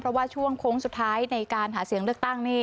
เพราะว่าช่วงโค้งสุดท้ายในการหาเสียงเลือกตั้งนี่